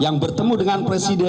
yang bertemu dengan presiden